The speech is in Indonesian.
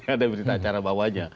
ada berita acara bawahnya